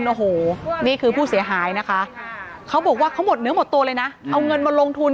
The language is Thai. อ๋อเจ้าสีสุข่าวของสิ้นพอได้ด้วย